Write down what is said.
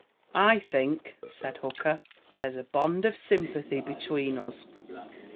"I think," said Hooker, "there's a bond of sympathy between us." CHAPTER IV.